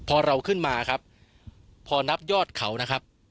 พอเราขึ้นมาครับพอนับยอดเขานะครับ